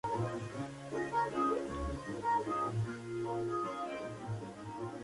Tras la descomposición del califato omeya de Córdoba, Almería se convirtió en taifa.